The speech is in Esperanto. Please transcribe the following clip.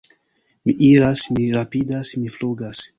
Mi iras, mi rapidas, mi flugas!